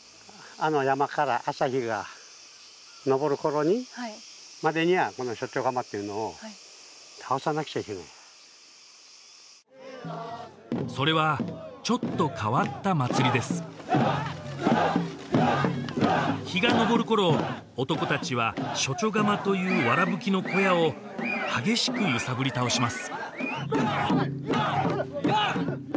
あの山から朝日が昇る頃までにはこのショチョガマっていうのを倒さなくちゃいけないそれはちょっと変わった祭りです日が昇る頃男達はショチョガマという藁葺きの小屋を激しく揺さぶり倒します